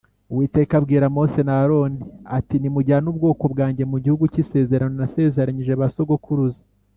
Uwiteka abwira Mose na Aroni ati Nimujyane ubwoko bwanjye mu gihugu cy’isezerano naseranyije basogukuruza.